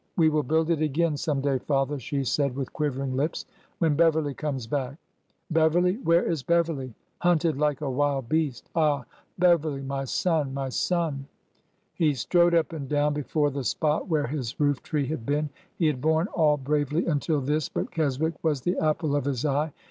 '' We will build it again some day, father," she said, with quivering lips, —" when Beverly comes back —" Beverly 1 Where is Beverly ? Hunted like a wild beast ! Ah, Beverly, my son 1 my son 1 " He strode up and down before the spot where his roof tree had been. He had borne all bravely until this. But Keswick was the apple of his eye.